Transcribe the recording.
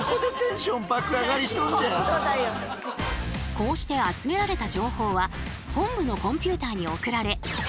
こうして集められた情報は本部のコンピューターに送られアップデート。